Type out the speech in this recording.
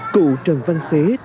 cụ trần văn xế